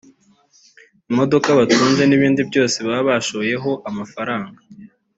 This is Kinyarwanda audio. imodoka batunze n’ibindi byose baba bashoyeho amafaranga